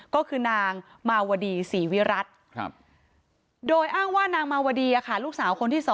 ก็คือนางมาวดีศรีวิรัติโดยอ้างว่านางมาวดีลูกสาวคนที่๒